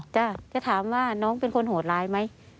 จะถามว่าน้องเป็นคนโหดร้ายไหม